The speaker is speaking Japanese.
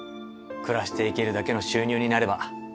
暮らしていけるだけの収入になれば